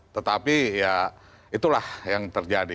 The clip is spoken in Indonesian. tetapi ya itulah yang terjadi